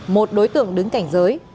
một đối tượng đứng cạnh giới